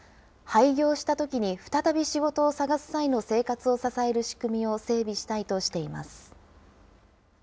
廃業したときに再び仕事を探す際の生活を支える仕組みを整備したいとしています。